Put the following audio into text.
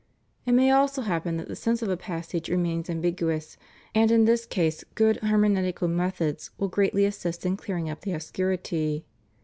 It may also happen that the sense of a passage remains ambiguous, and in this case good hermeneutical methods will greatly assist in clearing up the obscurity.